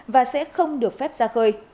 và sẽ không được phép ra khơi